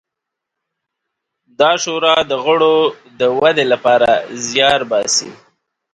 دا شورا د غړو د ودې لپاره زیار باسي.